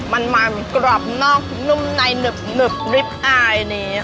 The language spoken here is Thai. มันมันกรอบนอกนุ่มในหนึบริปอายนี้